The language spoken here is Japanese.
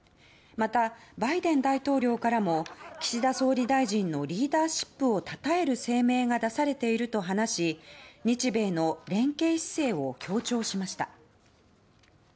また、バイデン大統領からも岸田総理大臣のリーダーシップをたたえる声明が出されていると話し日米の連携姿勢を強調しました。